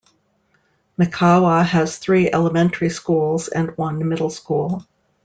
Mikawa has three elementary schools and one middle school.